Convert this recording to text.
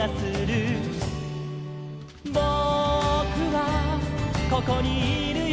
「ぼくはここにいるよ」